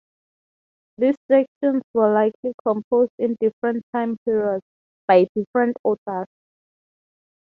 These sections were likely composed in different time periods, by different authors.